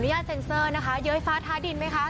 ญาตเซ็นเซอร์นะคะเย้ยฟ้าท้าดินไหมคะ